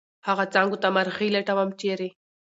هغه څانګو ته مرغي لټوم ، چېرې؟